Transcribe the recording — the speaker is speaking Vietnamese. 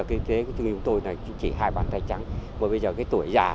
gây thiệt hại cả về tài sản và tính mạng người dân